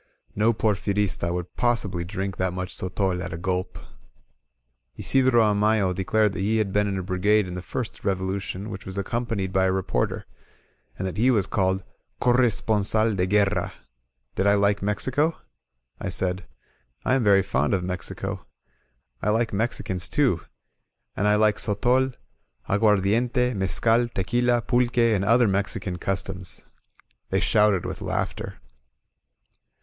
No Porfirista would possibly drink that much goiol at a gulp. Isidro Amayo declared that he had been in a brigade in the first Revolution which was accom panied by a reporter, and that he was called Corre sponsal de Guerra, Did I like Mexico? I said: ^'I am very fond of Mexico. I like Mexicans too. And I like sotol^ aguardiente^ mescal, tequila, pulque, and other Mexican customs !" They shouted with laughter.